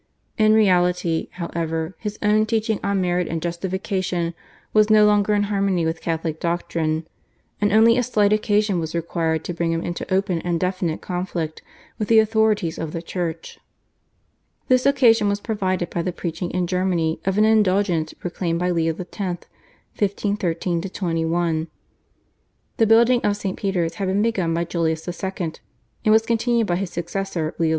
In reality, however, his own teaching on merit and justification was no longer in harmony with Catholic doctrine, and only a slight occasion was required to bring him into open and definite conflict with the authorities of the Church. This occasion was provided by the preaching in Germany of an Indulgence proclaimed by Leo X. (1513 21). The building of St. Peter's had been begun by Julius II. and was continued by his successor Leo X.